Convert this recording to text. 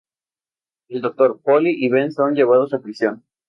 El Doctor, Polly y Ben son llevados a prisión.